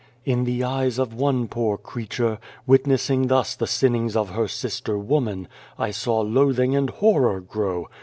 " In the eyes of one poor creature, wit nessing thus the sinnings of her sister woman, I saw loathing and horror grow.